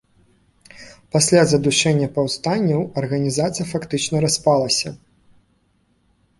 Пасля задушэння паўстанняў арганізацыя фактычна распалася.